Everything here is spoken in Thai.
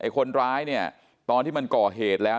คนร้ายเนี่ยตอนที่มันก่อเหตุแล้ว